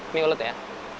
ini ulet ya